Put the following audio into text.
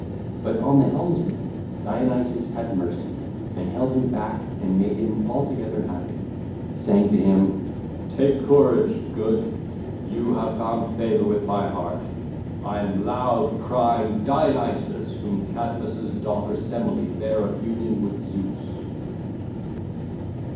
But on the helmsman Dionysus had mercy and held him back and made him altogether happy, saying to him: (ll. 55 57) 'Take courage, good...; you have found favour with my heart. I am loud crying Dionysus whom Cadmus' daughter Semele bare of union with Zeus.